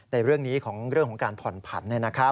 ในเรื่องนี้ของเรื่องของการผ่อนผัน